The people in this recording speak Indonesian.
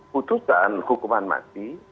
putusan hukuman mati